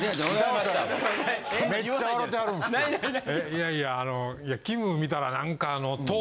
いやいやあのキム見たら何かあの。